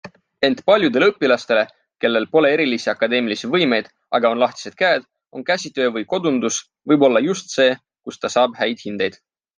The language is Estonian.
Ent paljudele õpilastele, kellel pole erilisi akadeemilisi võimeid, aga on lahtised käed, on käsitöö või kodundus võib-olla just see, kus ta saab häid hindeid.